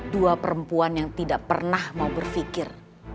dua perempuan yang tidak pernah mau berpikir